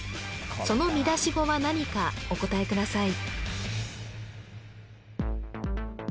その見出し語は何かお答えください